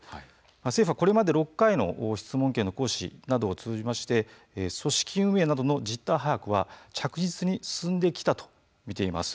政府はこれまで６回の質問権の行使などを通じまして組織運営などの実態把握は着実に進んできたと見ています。